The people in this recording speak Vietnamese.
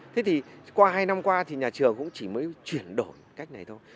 thế thì qua hai năm qua thì nhà trường cũng chỉ mới chuyển đổi cách này thôi